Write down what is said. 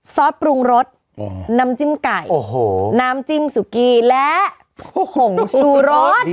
ซอสปรุงรสน้ำจิ้มไก่น้ำจิ้มสุกี้และผงชูรส